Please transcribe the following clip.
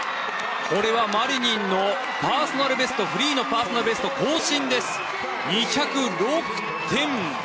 これはマリニンのパーソナルベストフリーのパーソナルベスト更新です。２０６．４１。